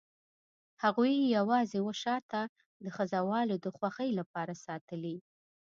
هغوی یې یوازې وه شاته د خزهوالو د خوښۍ لپاره ساتلي.